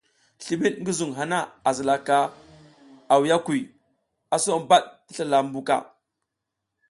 Slimid ngi zuŋ hana a zilaka awiyakuy, a so bad ti slala mbuka.